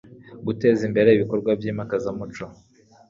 guteza imbere ibikorwa byimakaza umuco